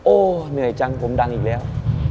เหนื่อยจังผมดังอีกแล้ว